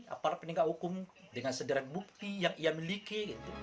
apalagi peningkat hukum dengan sederhana bukti yang ia miliki